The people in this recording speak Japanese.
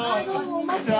こんにちは。